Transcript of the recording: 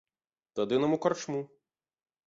Тады нам у карчму.